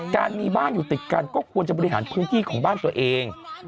การมีบ้านอยู่ติดกันก็ควรจะบริหารพื้นที่ของบ้านตัวเอง